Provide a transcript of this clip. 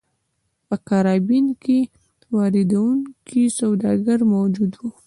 په کارابین کې واردوونکي سوداګر موجود وو.